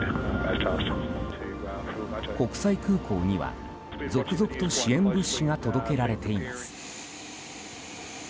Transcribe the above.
国際空港には、続々と支援物資が届けられています。